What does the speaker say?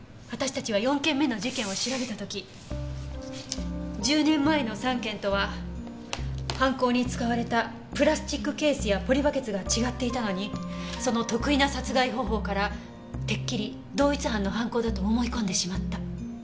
私たちは４件目の事件を調べた時１０年前の３件とは犯行に使われたプラスチックケースやポリバケツが違っていたのにその特異な殺害方法からてっきり同一犯の犯行だと思い込んでしまった。